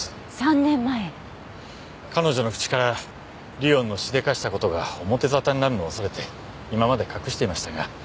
彼女の口から莉音のしでかした事が表沙汰になるのを恐れて今まで隠していましたが。